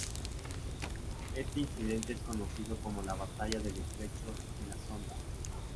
Este incidente es conocido como la Batalla del Estrecho de la Sonda.